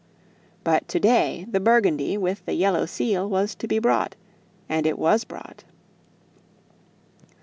But to day the Burgundy with the yellow seal was to be brought; and it was brought.